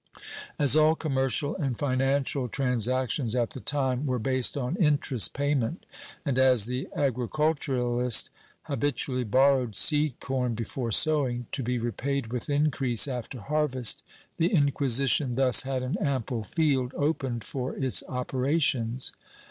^ As all commercial and financial transactions at the time were based on interest payment and, as the agriculturist habitually borrowed seed corn before sowing, to be repaid with increase after harvest, the Inc^uisition thus had an ample field opened for its operations.